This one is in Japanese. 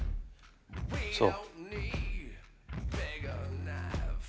そう。